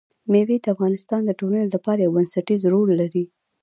مېوې د افغانستان د ټولنې لپاره یو بنسټيز رول لري.